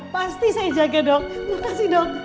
pasti saya jaga dok makasih dok